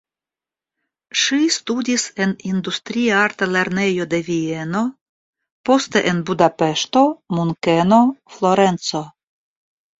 Ŝi studis en industriarta lernejo de Vieno, poste en Budapeŝto, Munkeno, Florenco.